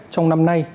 trong năm nay